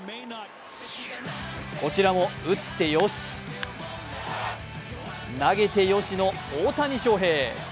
こちらも打ってよし、投げてよしの大谷翔平。